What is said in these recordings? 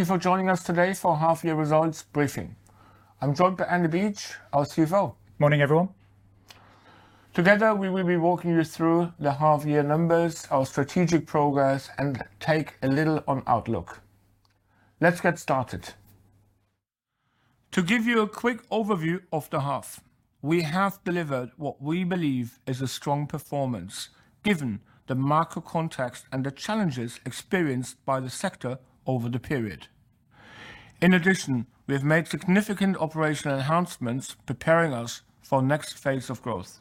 Thank you for joining us today for our half-year results briefing. I'm joined by Andy Beach, our CFO. Morning, everyone. Together, we will be walking you through the half-year numbers, our strategic progress, and take a little on outlook. Let's get started. To give you a quick overview of the half, we have delivered what we believe is a strong performance, given the market context and the challenges experienced by the sector over the period. In addition, we have made significant operational enhancements, preparing us for next phase of growth.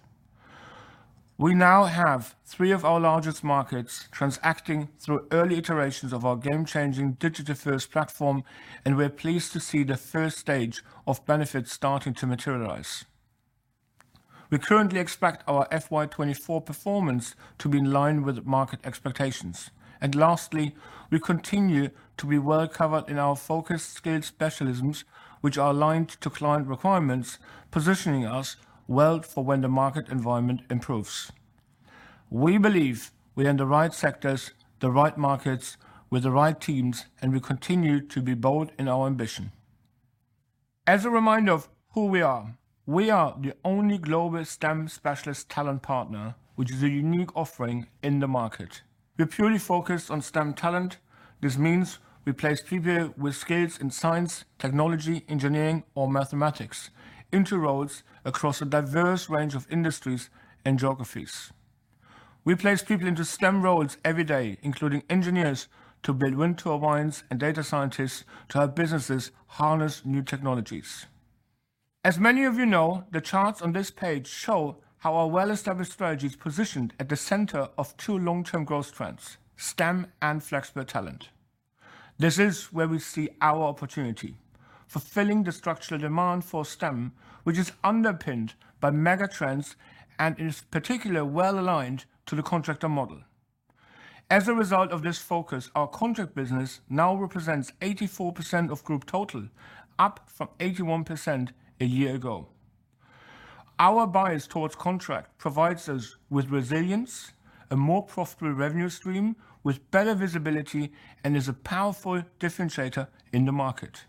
We now have three of our largest markets transacting through early iterations of our game-changing digital-first platform, and we're pleased to see the first stage of benefits starting to materialize. We currently expect our FY 2024 performance to be in line with market expectations. Lastly, we continue to be well-covered in our focused skilled specialisms, which are aligned to client requirements, positioning us well for when the market environment improves. We believe we're in the right sectors, the right markets, with the right teams, and we continue to be bold in our ambition. As a reminder of who we are, we are the only global STEM specialist talent partner, which is a unique offering in the market. We're purely focused on STEM talent. This means we place people with skills in science, technology, engineering, or mathematics into roles across a diverse range of industries and geographies. We place people into STEM roles every day, including engineers, to build wind turbines, and data scientists to help businesses harness new technologies. As many of you know, the charts on this page show how our well-established strategy is positioned at the center of two long-term growth trends: STEM and flexible talent. This is where we see our opportunity, fulfilling the structural demand for STEM, which is underpinned by mega trends and is particularly well-aligned to the contractor model. As a result of this focus, our contract business now represents 84% of group total, up from 81% a year ago. Our bias towards contract provides us with resilience, a more profitable revenue stream with better visibility, and is a powerful differentiator in the market.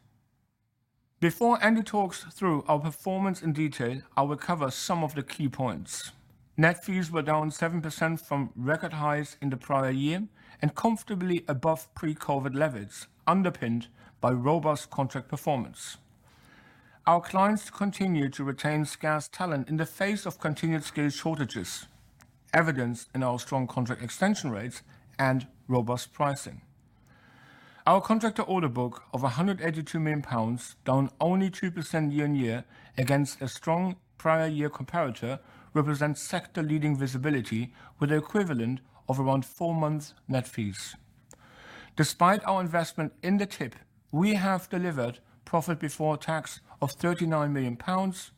Before Andy talks through our performance in detail, I will cover some of the key points. Net fees were down 7% from record highs in the prior year and comfortably above pre-COVID levels, underpinned by robust contract performance. Our clients continue to retain scarce talent in the face of continued skills shortages, evidenced in our strong contract extension rates and robust pricing. Our contractor order book of 182 million pounds, down only 2% year-on-year against a strong prior year comparator, represents sector-leading visibility with the equivalent of around four months net fees. Despite our investment in the TIP, we have delivered profit before tax of 39 million pounds,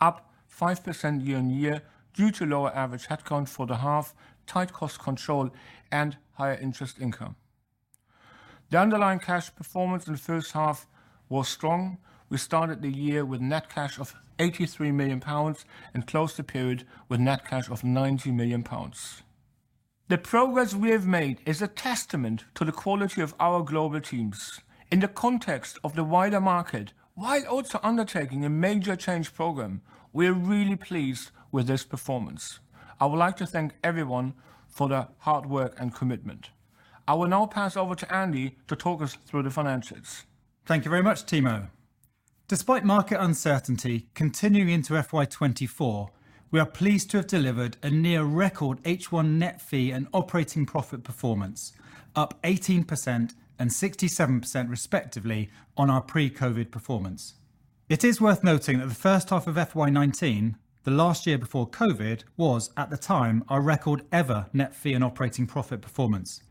up 5% year-on-year due to lower average headcount for the half, tight cost control, and higher interest income. The underlying cash performance in the first half was strong. We started the year with net cash of 83 million pounds and closed the period with net cash of 90 million pounds. The progress we have made is a testament to the quality of our global teams. In the context of the wider market, while also undertaking a major change program, we are really pleased with this performance. I would like to thank everyone for their hard work and commitment. I will now pass over to Andy to talk us through the finances. Thank you very much, Timo. Despite market uncertainty continuing into FY 2024, we are pleased to have delivered a near-record H1 net fee and operating profit performance, up 18% and 67% respectively on our pre-COVID performance. It is worth noting that the first half of FY 2019, the last year before COVID, was, at the time, our record-ever net fee and operating profit performance.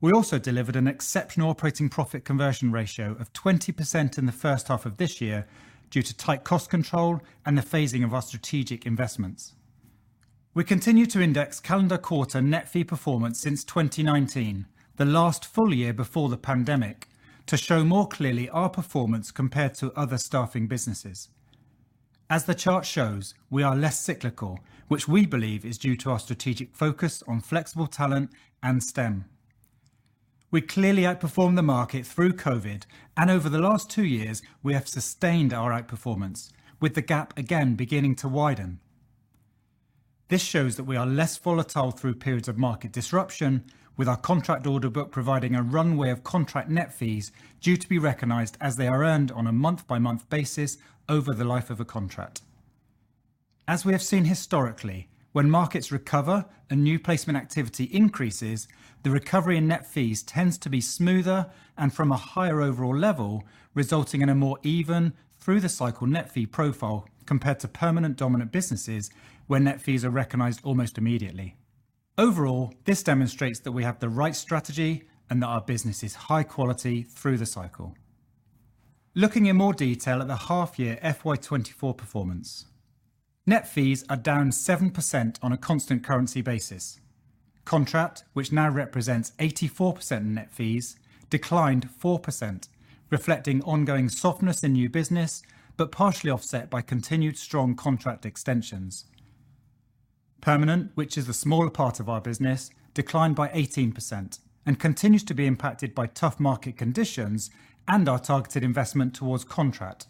We also delivered an exceptional operating profit conversion ratio of 20% in the first half of this year due to tight cost control and the phasing of our strategic investments. We continue to index calendar quarter net fee performance since 2019, the last full year before the pandemic, to show more clearly our performance compared to other staffing businesses. As the chart shows, we are less cyclical, which we believe is due to our strategic focus on flexible talent and STEM. We clearly outperformed the market through COVID, and over the last two years, we have sustained our outperformance, with the gap again beginning to widen. This shows that we are less volatile through periods of market disruption, with our contract order book providing a runway of contract net fees due to be recognized as they are earned on a month-by-month basis over the life of a contract. As we have seen historically, when markets recover and new placement activity increases, the recovery in net fees tends to be smoother and from a higher overall level, resulting in a more even through-the-cycle net fee profile compared to permanent dominant businesses, where net fees are recognized almost immediately. Overall, this demonstrates that we have the right strategy and that our business is high quality through the cycle. Looking in more detail at the half-year FY 2024 performance, net fees are down 7% on a constant currency basis. Contract, which now represents 84% net fees, declined 4%, reflecting ongoing softness in new business, but partially offset by continued strong contract extensions. Permanent, which is the smaller part of our business, declined by 18% and continues to be impacted by tough market conditions and our targeted investment towards contract,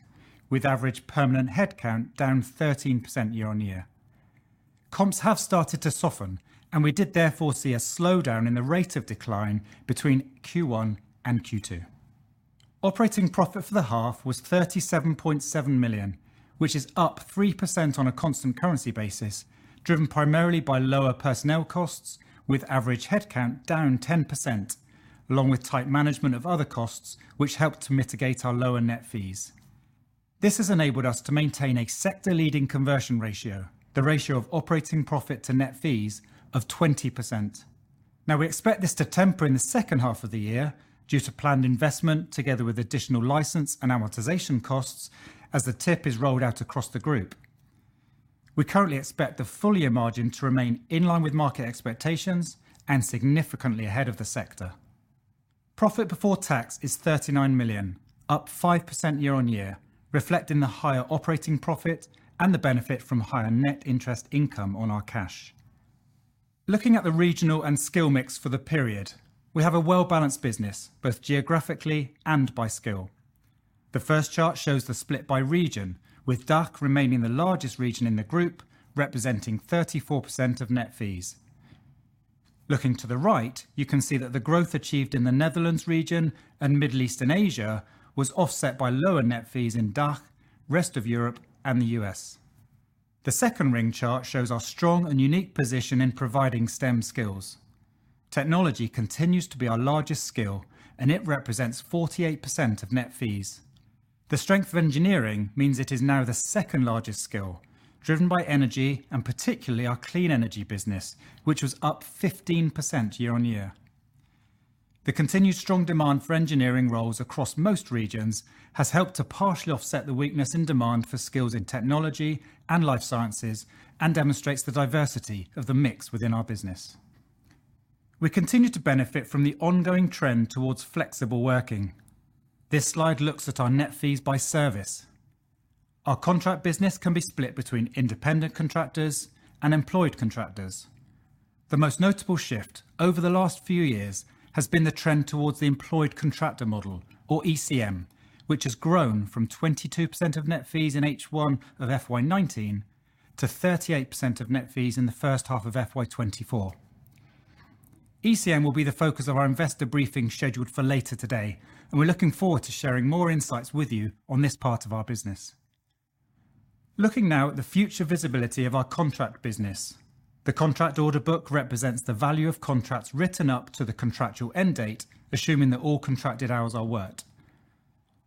with average permanent headcount down 13% year-on-year. Comps have started to soften, and we did therefore see a slowdown in the rate of decline between Q1 and Q2. Operating profit for the half was 37.7 million, which is up 3% on a constant currency basis, driven primarily by lower personnel costs, with average headcount down 10%, along with tight management of other costs, which helped to mitigate our lower net fees. This has enabled us to maintain a sector-leading conversion ratio, the ratio of operating profit to net fees of 20%. Now, we expect this to temper in the second half of the year due to planned investment, together with additional license and amortization costs as the TIP is rolled out across the group. We currently expect the full-year margin to remain in line with market expectations and significantly ahead of the sector. Profit before tax is 39 million, up 5% year-over-year, reflecting the higher operating profit and the benefit from higher net interest income on our cash. Looking at the regional and skill mix for the period, we have a well-balanced business, both geographically and by skill. The first chart shows the split by region, with DACH remaining the largest region in the group, representing 34% of net fees. Looking to the right, you can see that the growth achieved in the Netherlands region and Middle East and Asia was offset by lower net fees in DACH, rest of Europe, and the U.S.. The second ring chart shows our strong and unique position in providing STEM skills. Technology continues to be our largest skill, and it represents 48% of net fees. The strength of engineering means it is now the second largest skill, driven by energy and particularly our clean energy business, which was up 15% year-over-year. The continued strong demand for engineering roles across most regions has helped to partially offset the weakness in demand for skills in technology and life sciences and demonstrates the diversity of the mix within our business. We continue to benefit from the ongoing trend towards flexible working. This slide looks at our net fees by service. Our contract business can be split between independent contractors and employed contractors. The most notable shift over the last few years has been the trend towards the Employed Contractor Model, or ECM, which has grown from 22% of net fees in H1 of FY 2019 to 38% of net fees in the first half of FY 2024. ECM will be the focus of our investor briefing scheduled for later today, and we're looking forward to sharing more insights with you on this part of our business. Looking now at the future visibility of our contract business. The contract order book represents the value of contracts written up to the contractual end date, assuming that all contracted hours are worked.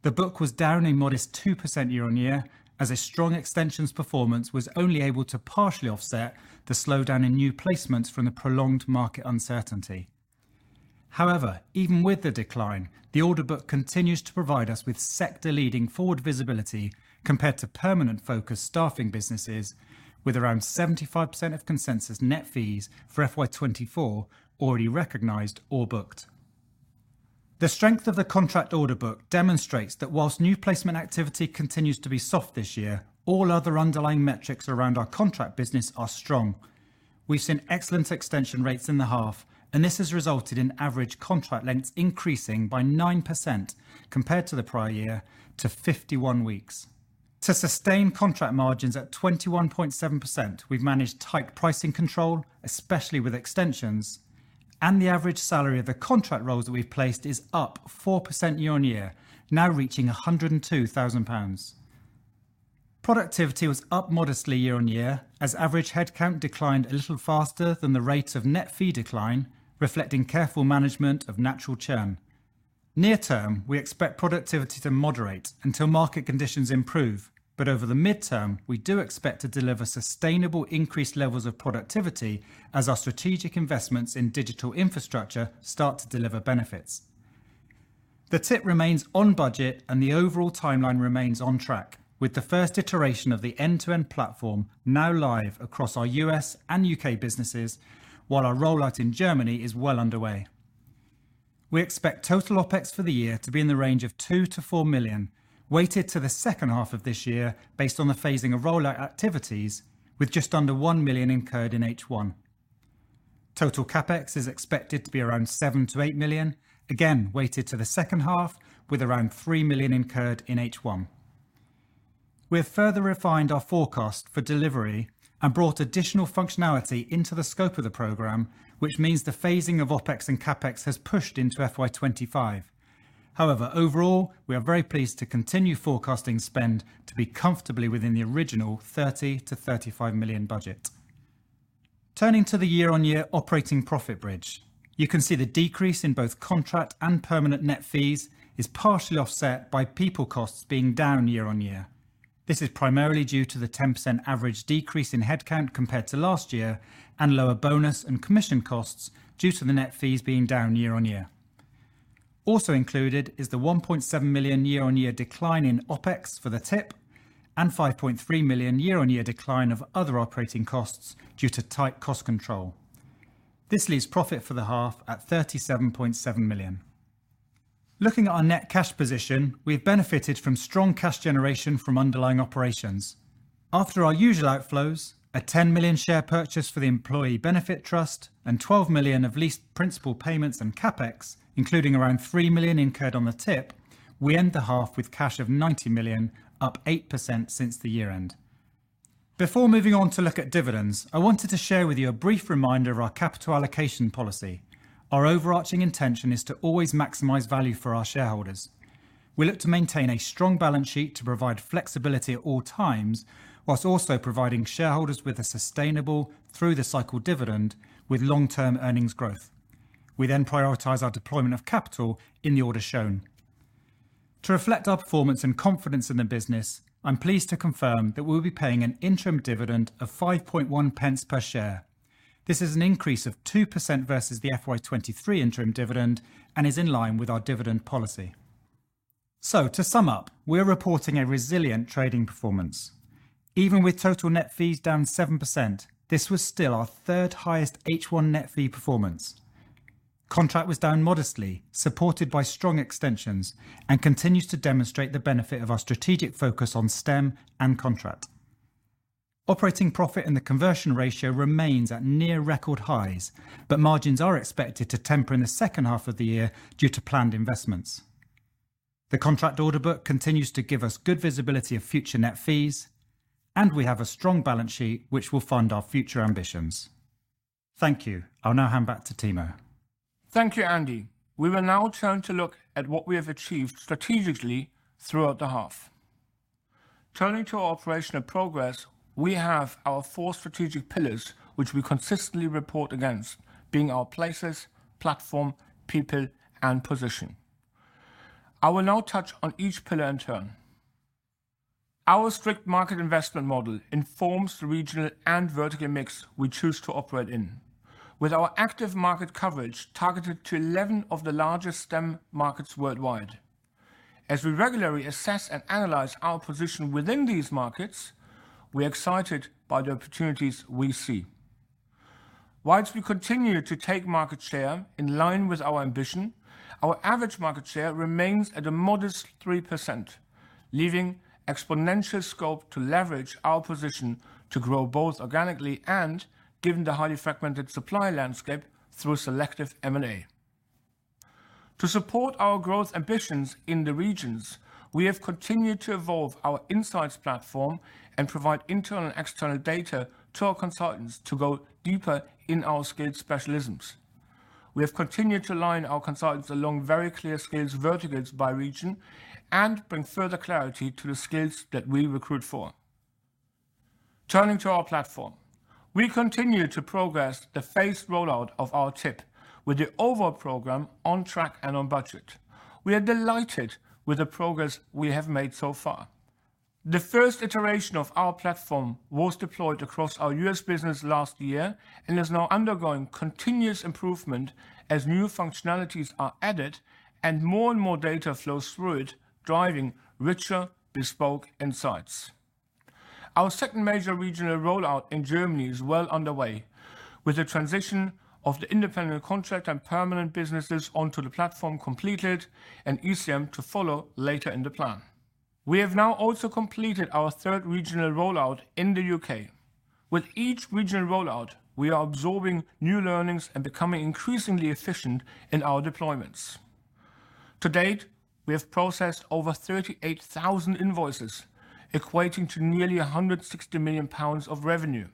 The book was down a modest 2% year-on-year, as a strong extensions performance was only able to partially offset the slowdown in new placements from the prolonged market uncertainty. However, even with the decline, the order book continues to provide us with sector-leading forward visibility compared to permanent-focused staffing businesses, with around 75% of consensus net fees for FY 2024 already recognized or booked. The strength of the contract order book demonstrates that while new placement activity continues to be soft this year, all other underlying metrics around our contract business are strong. We've seen excellent extension rates in the half, and this has resulted in average contract lengths increasing by 9% compared to the prior year to 51 weeks. To sustain contract margins at 21.7%, we've managed tight pricing control, especially with extensions, and the average salary of the contract roles that we've placed is up 4% year-on-year, now reaching 102,000 pounds. Productivity was up modestly year-on-year as average headcount declined a little faster than the rate of net fee decline, reflecting careful management of natural churn. Near term, we expect productivity to moderate until market conditions improve. But over the midterm, we do expect to deliver sustainable, increased levels of productivity as our strategic investments in digital infrastructure start to deliver benefits. The TIP remains on budget, and the overall timeline remains on track, with the first iteration of the end-to-end platform now live across our U.S. and U.K. businesses, while our rollout in Germany is well underway. We expect total OpEx for the year to be in the range of 2 million-4 million, weighted to the second half of this year based on the phasing of rollout activities with just under 1 million incurred in H1. Total CapEx is expected to be around 7 million-8 million, again, weighted to the second half with around 3 million incurred in H1. We have further refined our forecast for delivery and brought additional functionality into the scope of the program, which means the phasing of OpEx and CapEx has pushed into FY 2025. However, overall, we are very pleased to continue forecasting spend to be comfortably within the original 30 million-35 million budget. Turning to the year-on-year operating profit bridge, you can see the decrease in both contract and permanent net fees is partially offset by people costs being down year-on-year. This is primarily due to the 10% average decrease in headcount compared to last year and lower bonus and commission costs due to the net fees being down year-on-year. Also included is the 1.7 million year-on-year decline in OpEx for the TIP and 5.3 million year-on-year decline of other operating costs due to tight cost control. This leaves profit for the half at 37.7 million. Looking at our net cash position, we've benefited from strong cash generation from underlying operations. After our usual outflows, a 10 million share purchase for the employee benefit trust and 12 million of leased principal payments and CapEx, including around 3 million incurred on the TIP, we end the half with cash of 90 million, up 8% since the year end. Before moving on to look at dividends, I wanted to share with you a brief reminder of our capital allocation policy. Our overarching intention is to always maximize value for our shareholders. We look to maintain a strong balance sheet to provide flexibility at all times, while also providing shareholders with a sustainable through-the-cycle dividend with long-term earnings growth. We then prioritize our deployment of capital in the order shown. To reflect our performance and confidence in the business, I'm pleased to confirm that we'll be paying an interim dividend of 5.01 per share. This is an increase of 2% versus the FY 2023 interim dividend and is in line with our dividend policy. So to sum up, we are reporting a resilient trading performance. Even with total net fees down 7%, this was still our third highest H1 net fee performance. Contract was down modestly, supported by strong extensions, and continues to demonstrate the benefit of our strategic focus on STEM and contract. Operating profit and the conversion ratio remains at near record highs, but margins are expected to temper in the second half of the year due to planned investments. The contract order book continues to give us good visibility of future net fees, and we have a strong balance sheet, which will fund our future ambitions. Thank you. I'll now hand back to Timo. Thank you, Andy. We will now turn to look at what we have achieved strategically throughout the half. Turning to our operational progress, we have our four strategic pillars, which we consistently report against, being our places, platform, people, and position. I will now touch on each pillar in turn. Our strict market investment model informs the regional and vertical mix we choose to operate in, with our active market coverage targeted to 11 of the largest STEM markets worldwide. As we regularly assess and analyze our position within these markets, we're excited by the opportunities we see. While we continue to take market share in line with our ambition, our average market share remains at a modest 3%, leaving exponential scope to leverage our position to grow both organically and, given the highly fragmented supply landscape, through selective M&A. To support our growth ambitions in the regions, we have continued to evolve our insights platform and provide internal and external data to our consultants to go deeper in our skilled specialisms. We have continued to align our consultants along very clear skills verticals by region and bring further clarity to the skills that we recruit for. Turning to our platform, we continue to progress the phased rollout of our TIP, with the overall program on track and on budget. We are delighted with the progress we have made so far. The first iteration of our platform was deployed across our U.S. business last year and is now undergoing continuous improvement as new functionalities are added and more and more data flows through it, driving richer, bespoke insights. Our second major regional rollout in Germany is well underway, with the transition of the independent contract and permanent businesses onto the platform completed and ECM to follow later in the plan. We have now also completed our third regional rollout in the U.K.. With each regional rollout, we are absorbing new learnings and becoming increasingly efficient in our deployments. To date, we have processed over 38,000 invoices, equating to nearly 160 million pounds of revenue.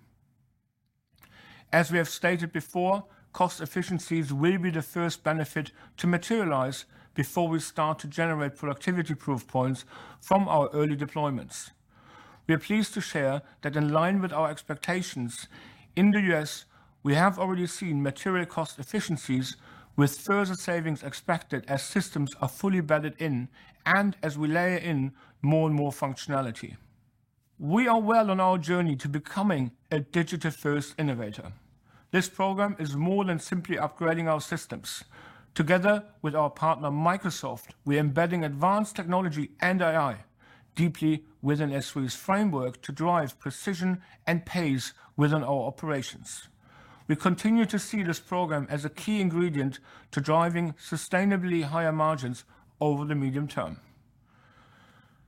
As we have stated before, cost efficiencies will be the first benefit to materialize before we start to generate productivity proof points from our early deployments. We are pleased to share that in line with our expectations, in the U.S., we have already seen material cost efficiencies, with further savings expected as systems are fully bedded in and as we layer in more and more functionality. We are well on our journey to becoming a digital-first innovator. This program is more than simply upgrading our systems. Together with our partner, Microsoft, we are embedding advanced technology and AI deeply within SThree's framework to drive precision and pace within our operations. We continue to see this program as a key ingredient to driving sustainably higher margins over the medium term.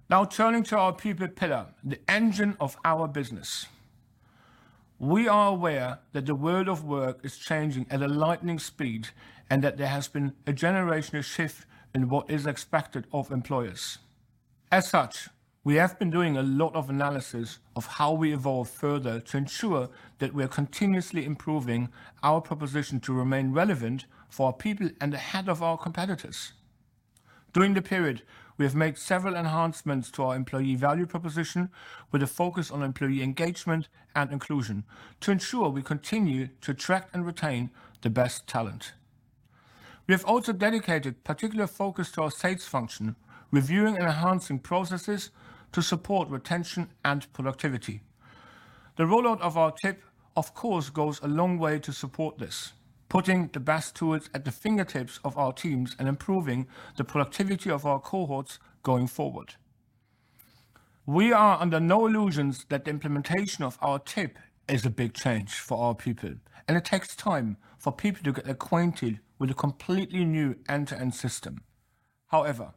Now, turning to our people pillar, the engine of our business. We are aware that the world of work is changing at a lightning speed, and that there has been a generational shift in what is expected of employers. As such, we have been doing a lot of analysis of how we evolve further to ensure that we are continuously improving our proposition to remain relevant for our people and ahead of our competitors. During the period, we have made several enhancements to our employee value proposition, with a focus on employee engagement and inclusion, to ensure we continue to attract and retain the best talent. We have also dedicated particular focus to our sales function, reviewing and enhancing processes to support retention and productivity. The rollout of our TIP, of course, goes a long way to support this, putting the best tools at the fingertips of our teams and improving the productivity of our cohorts going forward. We are under no illusions that the implementation of our TIP is a big change for our people, and it takes time for people to get acquainted with a completely new end-to-end system. However,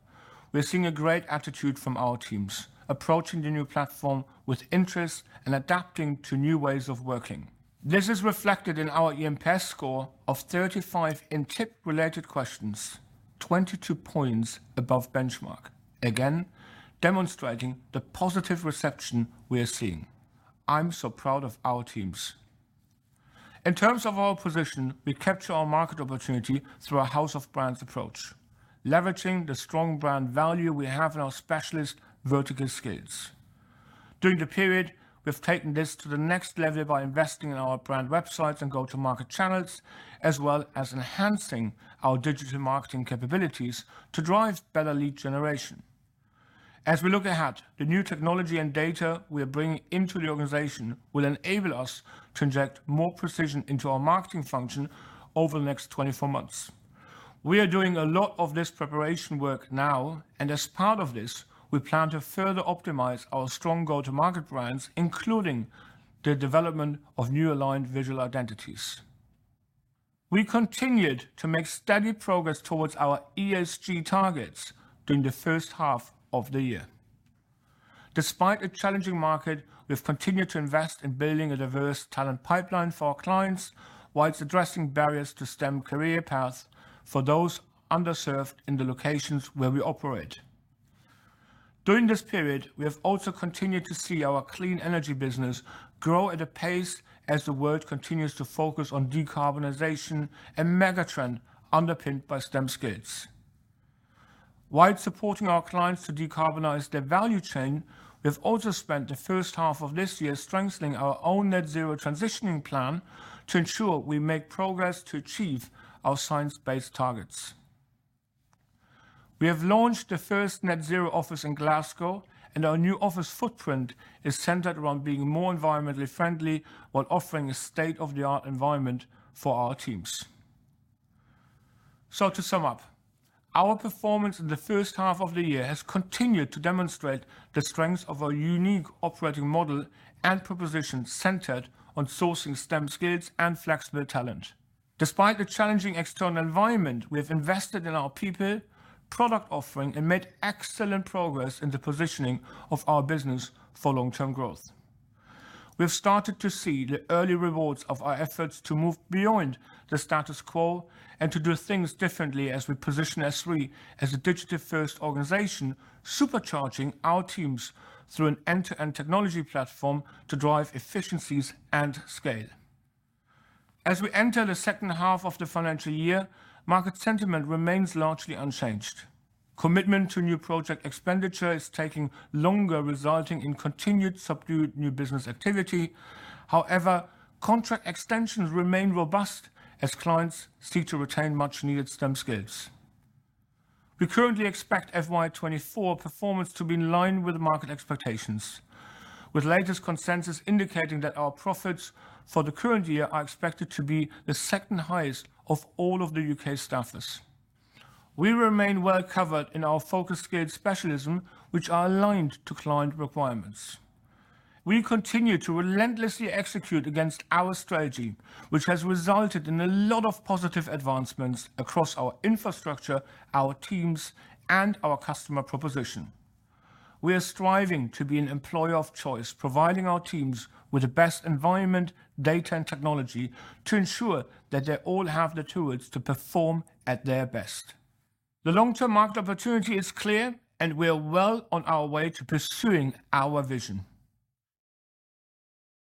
we are seeing a great attitude from our teams, approaching the new platform with interest and adapting to new ways of working. This is reflected in our eNPS score of 35 in TIP-related questions, 22 points above benchmark, again, demonstrating the positive reception we are seeing. I'm so proud of our teams. In terms of our position, we capture our market opportunity through a house of brands approach, leveraging the strong brand value we have in our specialist vertical skills. During the period, we've taken this to the next level by investing in our brand websites and go-to-market channels, as well as enhancing our digital marketing capabilities to drive better lead generation. As we look ahead, the new technology and data we are bringing into the organization will enable us to inject more precision into our marketing function over the next 24 months. We are doing a lot of this preparation work now, and as part of this, we plan to further optimize our strong go-to-market brands, including the development of new aligned visual identities. We continued to make steady progress towards our ESG targets during the first half of the year. Despite a challenging market, we've continued to invest in building a diverse talent pipeline for our clients, whilst addressing barriers to STEM career paths for those underserved in the locations where we operate. During this period, we have also continued to see our clean energy business grow at a pace as the world continues to focus on decarbonization and mega trend, underpinned by STEM skills. While supporting our clients to decarbonize their value chain, we've also spent the first half of this year strengthening our own net zero transitioning plan to ensure we make progress to achieve our Science Based Targets. We have launched the first net zero office in Glasgow, and our new office footprint is centered around being more environmentally friendly while offering a state-of-the-art environment for our teams. So to sum up, our performance in the first half of the year has continued to demonstrate the strength of our unique operating model and proposition centered on sourcing STEM skills and flexible talent. Despite the challenging external environment, we have invested in our people, product offering, and made excellent progress in the positioning of our business for long-term growth. We have started to see the early rewards of our efforts to move beyond the status quo and to do things differently as we position SThree as a digital-first organization, supercharging our teams through an end-to-end technology platform to drive efficiencies and scale. As we enter the second half of the financial year, market sentiment remains largely unchanged. Commitment to new project expenditure is taking longer, resulting in continued subdued new business activity. However, contract extensions remain robust as clients seek to retain much-needed STEM skills. We currently expect FY 2024 performance to be in line with market expectations, with latest consensus indicating that our profits for the current year are expected to be the second highest of all of the U.K. staffers. We remain well covered in our focused skilled specialism, which are aligned to client requirements. We continue to relentlessly execute against our strategy, which has resulted in a lot of positive advancements across our infrastructure, our teams, and our customer proposition. We are striving to be an employer of choice, providing our teams with the best environment, data, and technology to ensure that they all have the tools to perform at their best. The long-term market opportunity is clear, and we are well on our way to pursuing our vision.